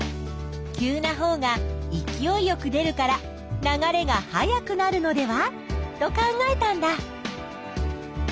急なほうがいきおいよく出るから流れが速くなるのではと考えたんだ。